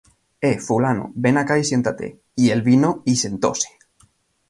Eh, fulano, ven acá y siéntate. Y él vino, y sentóse.